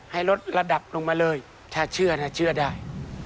ให้ลดระดับลงมาเลยถ้าเชื่อนะเชื่อได้